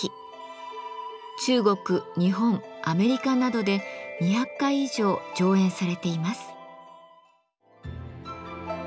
中国日本アメリカなどで２００回以上上演されています。